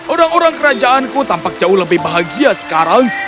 orang orang kerajaanku tampak jauh lebih bahagia sekarang